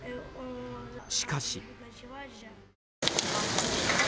しかし。